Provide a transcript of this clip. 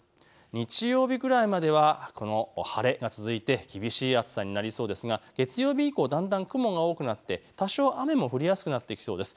日曜日くらいまではこの晴れが続いて厳しい暑さになりそうですが月曜日以降、だんだん雲が多くなって多少雨も降りやすくなってきそうです。